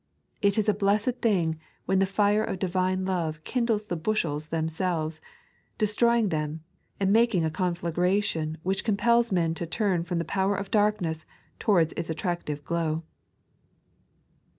It is a blessed thing when the fire of Divine Love kindles the bushels themselves, destroTing them, and making a con flagration which compels men to turn from the power of darkness towards its attractive glow.